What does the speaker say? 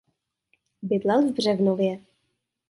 Bydlel v Břevnově.